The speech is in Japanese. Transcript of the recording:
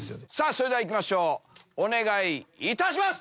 それではいきましょうお願いいたします。